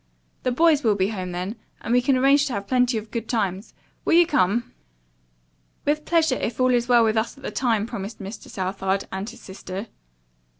The boys will be home, then, and we can arrange to have plenty of good times. Will you come?" "With pleasure if all is well with us at that time," promised Mr. Southard, and his sister.